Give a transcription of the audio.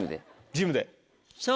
ジムで。